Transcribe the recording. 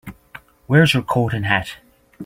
Where's your coat and hat?